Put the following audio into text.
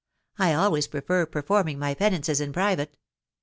I always prefer per forming my penances in private.